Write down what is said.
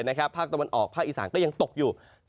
ภาคตะวันออกภาคอีสานก็ยังตกอยู่